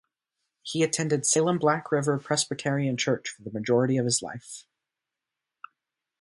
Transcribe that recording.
He attended Salem Black River Presbyterian Church for the majority of his life.